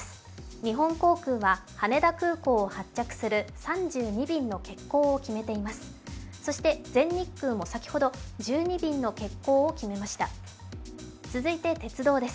日本航空は羽田空港を発着する３２便の欠航を決めています。